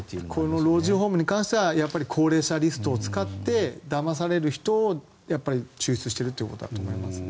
この老人ホームに関しては高齢者リストを使ってだまされる人を抽出しているということだと思いますね。